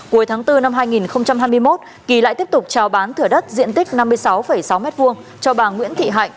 cuối tháng bốn năm hai nghìn hai mươi một kỳ lại tiếp tục trào bán thửa đất diện tích năm mươi sáu sáu m hai cho bà nguyễn thị hạnh